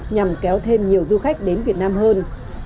nhằm kéo thêm nhiều du khách đến việt nam hơn